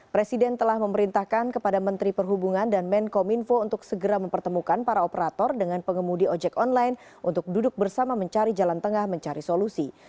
presiden telah memerintahkan kepada menteri perhubungan dan menkom info untuk segera mempertemukan para operator dengan pengemudi ojek online untuk duduk bersama mencari jalan tengah mencari solusi